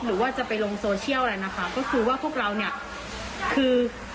หรือว่าจะไปลงโซเชียลอะไรนะคะก็คือว่าพวกเราเนี่ยคือ